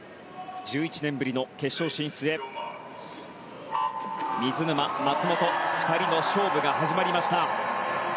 １１年ぶりの決勝進出へ水沼、松元２人の勝負が始まりました。